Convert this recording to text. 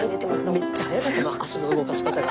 めっちゃ速かったもん足の動かし方が。